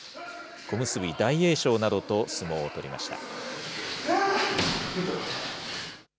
小結・大栄翔などと相撲を取りました。